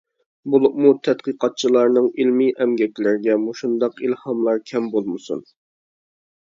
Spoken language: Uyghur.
بولۇپمۇ تەتقىقاتچىلارنىڭ ئىلمىي ئەمگەكلىرىگە مۇشۇنداق ئىلھاملار كەم بولمىسۇن.